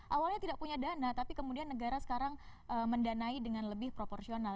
awalnya tidak punya dana tapi kemudian negara sekarang mendanai dengan lebih proporsional